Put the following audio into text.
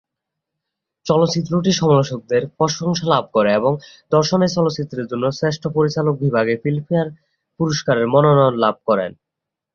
চলচ্চিত্রটি সমালোচকদের প্রশংসা লাভ করে এবং দর্শন এই চলচ্চিত্রের জন্য শ্রেষ্ঠ পরিচালক বিভাগে ফিল্মফেয়ার পুরস্কারের মনোনয়ন লাভ করেন।